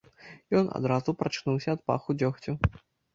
Ён адразу прачнуўся ад паху дзёгцю.